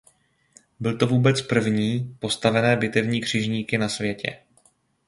Byly to vůbec první postavené bitevní křižníky na světě.